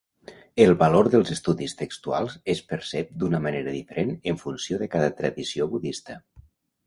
El valor dels estudis textuals es percep d'una manera diferent en funció de cada tradició budista.